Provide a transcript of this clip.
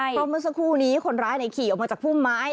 เพราะว่าเมื่อสักครู่นี้คนร้ายหน่อยขี่ออกมาจากผู้ไม้